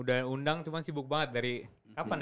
udah undang cuma sibuk banget dari kapan ya